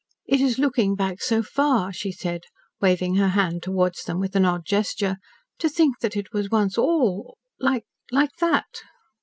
"It is looking back so far," she said, waving her hand towards them with an odd gesture. "To think that it was once all like like that."